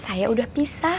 saya sudah pisah